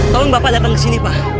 tolong bapak datang ke sini pak